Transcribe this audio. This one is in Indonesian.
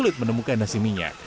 sulit menemukan nasi minyak